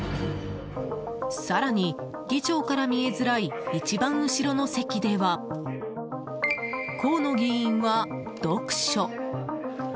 更に、議長から見えづらい一番後ろの席では河野議員は読書。